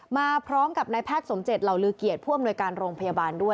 มาพร้อมกับนายแพทย์สมเจตเหล่าลือเกียรติผู้อำนวยการโรงพยาบาลด้วย